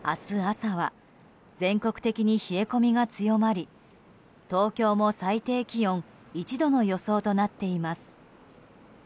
朝は全国的に冷え込みが強まり東京も最低気温１度の予想となっています。